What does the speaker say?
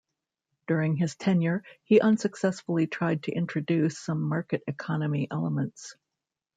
During his tenure, he unsuccessfully tried to introduce some market economy elements.